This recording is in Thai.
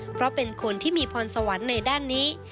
เพราะเป็นคนที่มีพรสวรรค์ในด้านนี้